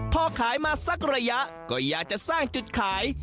พอขายมาสักระยะก็อยากจะสร้างจุดขาย